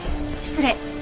失礼。